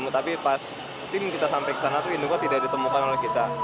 tapi pas tim kita sampai ke sana itu induknya tidak ditemukan oleh kita